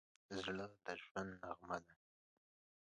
زړه د ژوند نغمه ده.